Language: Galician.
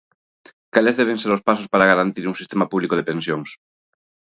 Cales deben ser os pasos para garantir un sistema público de pensións?